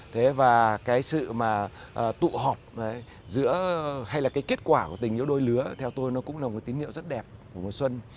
thế và cái sự mà tụ họp giữa hay là cái kết quả của tình yêu đôi lứa theo tôi nó cũng là một cái tín hiệu rất đẹp của mùa xuân